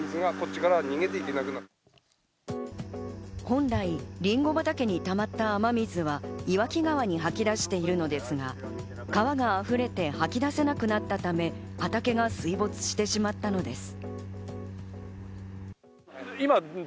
本来、りんご畑にたまった雨水は岩木川に吐き出しているのですが、川が溢れて吐き出せなくなったため、畑が水没してしまったのです。